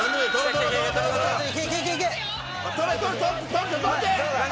取って取って！